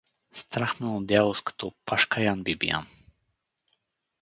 — Страх ме е от дяволската опашка, Ян Бибиян.